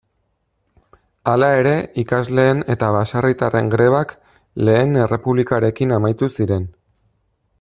Hala ere ikasleen eta baserritarren grebak lehen errepublikarekin amaitu ziren.